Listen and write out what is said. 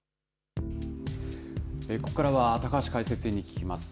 ここからは高橋解説委員に聞きます。